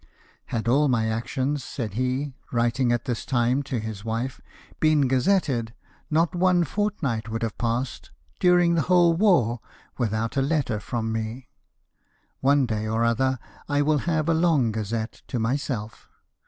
" Had all my actions," said he, writing at this time to his wife, " been gazetted, not one fortnight would have passed during the whole war without a letter from me. One day or other I will have a long gazette to myself.